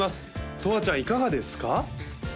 とわちゃんいかがですか？